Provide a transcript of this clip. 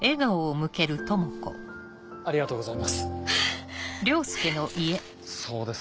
ありがとうございます。